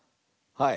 はい！